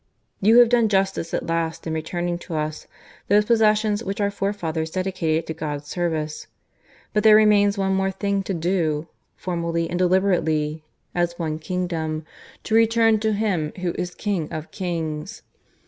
You have done justice at last in returning to us those possessions which our forefathers dedicated to God's service. But there remains one more thing to do, formally and deliberately, as one kingdom, to return to Him who is King of kings.